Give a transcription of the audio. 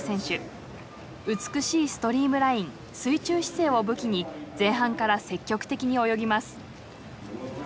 美しいストリームライン水中姿勢を武器に前半から積極的に泳ぎます。